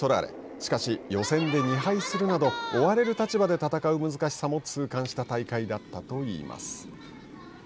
しかし、予選で２敗するなど追われる立場で戦う難しさも痛感した大会だったといいます。